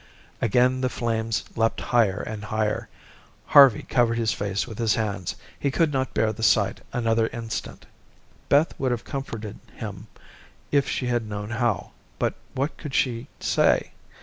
Again the flames leaped higher and higher. Harvey covered his face with his hands. He could not bear the sight another instant. Beth would have comforted him if she had known how, but what could she say?